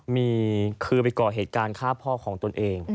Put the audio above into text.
มีคือไปก่อเหตุการณ์ฆ่าพ่อของตนเอง